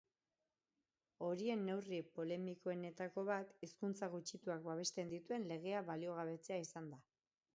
Horien neurri polemikoenetako bat hizkuntza gutxituak babesten dituen legea baliogabetzea izan da.